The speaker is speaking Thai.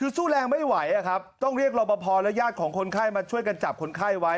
ซู่แรงไม่ไหวนะครับต้องเรียกรมปภรและญาติของคนไข้มาจับคนไข้ไว้